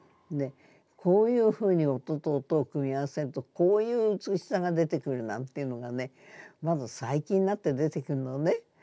こういうふうに音と音を組み合わせるとこういう美しさが出てくるなんていうのがねまず最近になって出てくるのね。